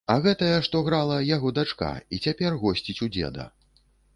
А гэтая, што грала, яго дачка, і цяпер госціць у дзеда.